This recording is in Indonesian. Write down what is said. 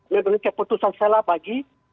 memiliki keputusan selah bagi